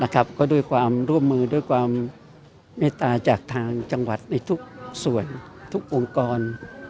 ก็ด้วยความร่วมมือด้วยความเมตตาจากทางจังหวัดในทุกส่วนทุกองค์กร